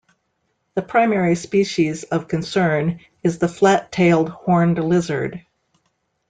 The primary species of concern is the flat-tailed horned lizard.